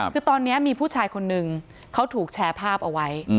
คือตอนนี้มีผู้ชายคนนึงเขาถูกแชร์ภาพเอาไว้